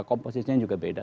komposisinya juga beda